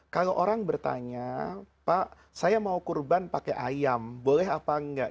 kalau orang bertanya pak saya mau kurban pakai ayam boleh apa enggak